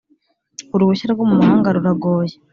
Uruhusha rwo mu mahanga ruragoye